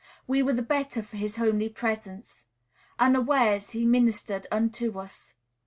We were the better for his homely presence; unawares, he ministered unto us.